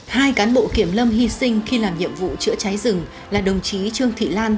hai cán bộ kiểm lâm hy sinh khi làm nhiệm vụ chữa cháy rừng là đồng chí trương thị lan